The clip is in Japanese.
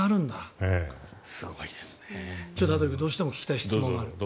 すごいですね。どうしても聞きたい質問がある。